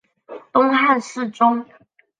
东汉侍中。